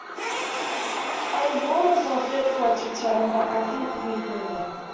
A reward was offered for its return but nothing could be proven.